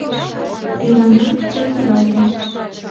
Тӧрана кокыралтыш.